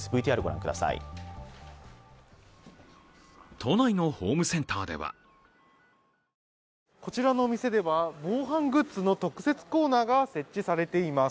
都内のホームセンターではこちらの店では防犯グッズの特設コーナーが設置されています。